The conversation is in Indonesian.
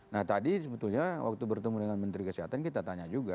nah tadi sebetulnya waktu bertemu dengan menteri kesehatan kita tanya juga